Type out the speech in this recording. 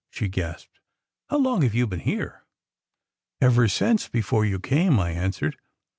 she gasped. "How long have you been here?" "Ever since before you came," I answered.